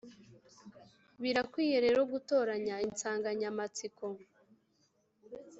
birakwiye rero gutoranya insanganyamatsiko,